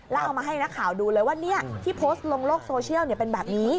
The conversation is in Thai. แล้วเอามาให้นักข่าวดูเลยว่าที่โพสต์ลงโลกโซเชียลเป็นแบบนี้